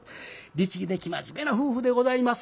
律儀で生真面目な夫婦でございます。